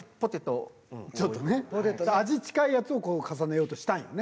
味近いやつを重ねようとしたんよね。